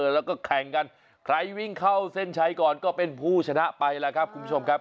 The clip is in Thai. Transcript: แล้วก็แข่งกันใครวิ่งเข้าเส้นชัยก่อนก็เป็นผู้ชนะไปแล้วครับคุณผู้ชมครับ